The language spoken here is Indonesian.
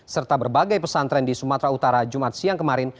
serta berbagai pesantren di sumatera utara jumat siang kemarin